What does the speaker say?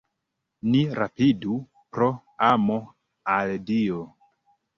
Ni rapidu, pro amo al Dio!